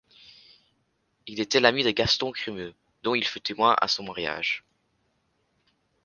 Il était l'ami de Gaston Crémieux, dont il fut témoin à son mariage.